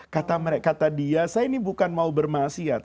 kata dia saya ini bukan mau bermahasiat